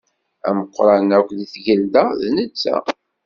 Ameqqran akk di tgelda, d netta.